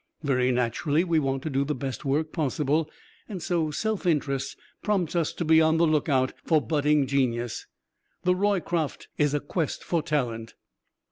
Very naturally we want to do the best work possible, and so self interest prompts us to be on the lookout for budding genius. The Roycroft is a quest for talent.